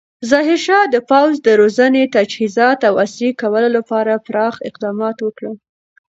ظاهرشاه د پوځ د روزنې، تجهیزات او عصري کولو لپاره پراخ اقدامات وکړل.